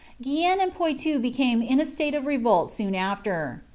tiaicnue and Poilou became in a slate of revolt soon after.'